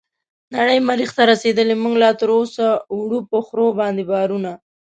نړۍ مريح ته رسيدلې موږ لا تراوسه وړو په خرو باندې بارونه